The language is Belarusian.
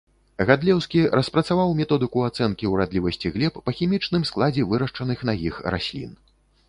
Гадлеўскі распрацаваў методыку ацэнкі урадлівасці глеб па хімічным складзе вырашчаных на іх раслін.